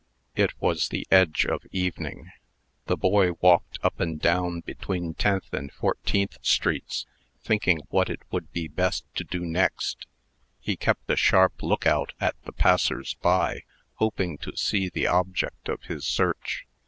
It was the edge of evening. The boy walked up and down between Tenth and Fourteenth streets, thinking what it would be best to do next. He kept a sharp lookout at the passers by, hoping to see the object of his search.